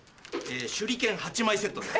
手裏剣８枚セットです。